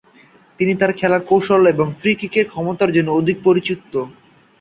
তিনি তার খেলার কৌশল এবং ফ্রি-কিকের ক্ষমতার জন্য অধিক পরিচিত।